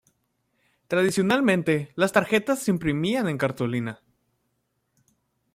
Tradicionalmente, las tarjetas se imprimían en cartulina.